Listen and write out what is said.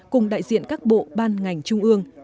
cùng đại diện các bộ ban ngành trung ương